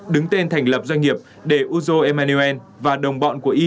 đứng tên thành lập doanh nghiệp để uzo emmanuel và đồng bọn của y